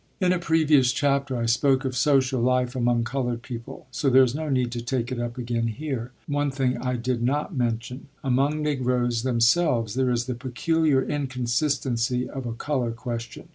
In a previous chapter I spoke of social life among colored people; so there is no need to take it up again here. But there is one thing I did not mention: among Negroes themselves there is the peculiar inconsistency of a color question.